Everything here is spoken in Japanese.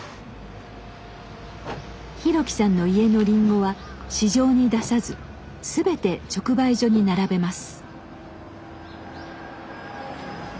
博樹さんの家のりんごは市場に出さず全て直売所に並べます。